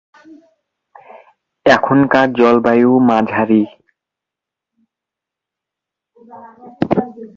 এখানকার জলবায়ু মাঝারি।